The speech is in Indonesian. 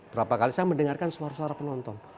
berapa kali saya mendengarkan suara suara penonton